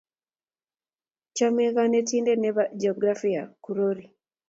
Chomei konetinte ne bo Geographia kurori.